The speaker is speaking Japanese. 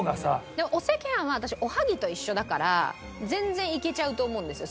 でもお赤飯は私おはぎと一緒だから全然いけちゃうと思うんですよ